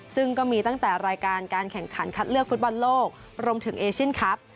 ซึ่งก็มีตั้งแต่รายการการแข่งขันคัดเลือกฟุตบอลโลกรวมถึงเอเชียนครับ